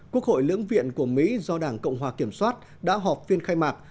quốc hội lưỡng viện của mỹ do đảng cộng hòa kiểm soát đã họp phiên khai mạc